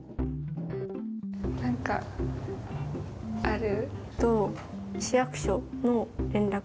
何かある？